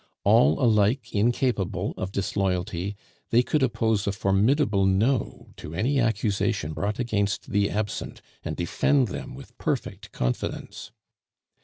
All alike incapable of disloyalty, they could oppose a formidable No to any accusation brought against the absent and defend them with perfect confidence.